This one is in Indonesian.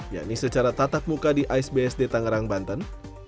yaitu secara tatap muka di aisbsd tangerang banten